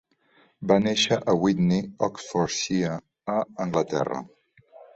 Va néixer a Witney, Oxfordshire, a Anglaterra.